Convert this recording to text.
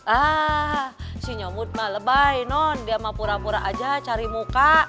ah si nyomut mah lebay non dia mau pura pura aja cari muka